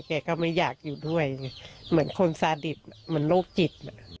แกก็ไม่อยากอยู่ด้วยไงเหมือนคนสาดิตเหมือนโรคจิต